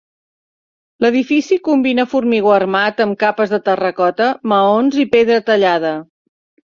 L'edifici combina formigó armat amb capes de terracota, maons i pedra tallada.